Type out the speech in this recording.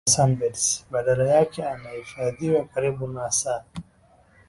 Hakuna foleni za sunbeds badala yake anahifadhiwa karibu na saa